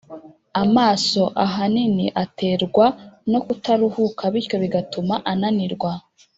Amaso ahanini aterwa no kutaruhuka bityo bigatuma ananirwa